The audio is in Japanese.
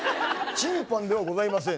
チンパンではございません。